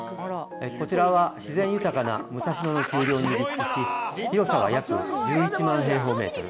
こちらは自然豊かな武蔵野の丘陵に立地し、広さは約１１万平方メートル。